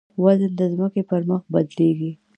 وزن د ځمکې پر مخ بدلېږي.